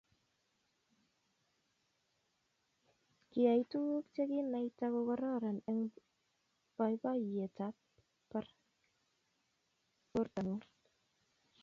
Kiyai tuguk cheginaite kogororon eng boiboiyetab bortangung